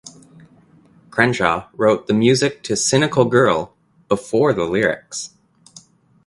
Crenshaw wrote the music to "Cynical Girl" before the lyrics.